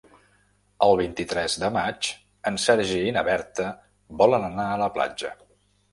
El vint-i-tres de maig en Sergi i na Berta volen anar a la platja.